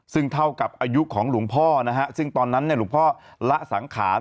ซึ่งเท่ากับอายุของหลวงพ่อนะฮะซึ่งตอนนั้นหลวงพ่อละสังขาร